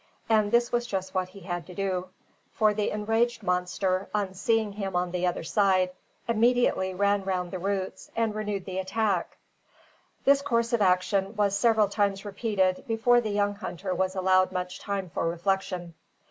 And this was just what he had to do; for the enraged monster, on seeing him on the other side, immediately ran round the roots, and renewed the attack. This course of action was several times repeated before the young hunter was allowed much time for reflection.